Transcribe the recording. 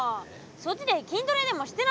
そっちで筋トレでもしてなさい！